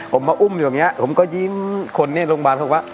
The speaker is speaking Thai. ผมมาอุ้มอยู่อย่างนี้ผมก็ยิ้มคนในโรงพยาบาลบอกว่า